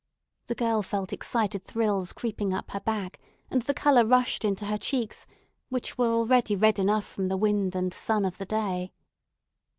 The girl felt excited thrills creeping up her back, and the color rushed into her cheeks, which were already red enough from the wind and sun of the day.